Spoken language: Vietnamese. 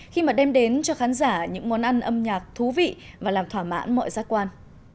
khi mà đem đến cho khán giả những món ăn âm nhạc thú vị và làm thỏa mãn mọi giác quan